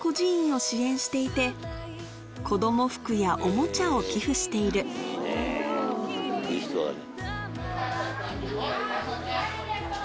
子供服やおもちゃを寄付しているいいねいい人だね。